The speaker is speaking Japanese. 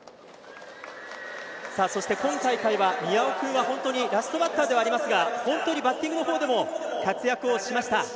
そして今大会は宮尾君はラストバッターではありますがバッティングの方でも活躍しました。